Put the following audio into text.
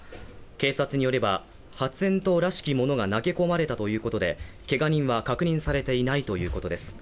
警察によれば、発煙筒らしきものが投げ込まれたということで、けが人は確認されていないということです。